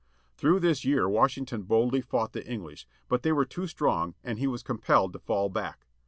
Through this year Washington boldly fought the English, but they were too strong, and he was compelled to fall back.